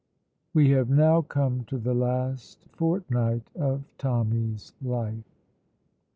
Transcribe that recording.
We have now come to the last fortnight of Tommy's life.